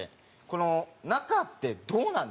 この仲ってどうなんですか？